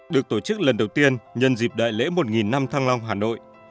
được tổ chức lần đầu tiên nhân dịp đại lễ một năm thăng long hà nội